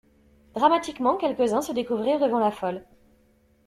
Dramatiquement, quelques-uns se découvrirent devant la folle.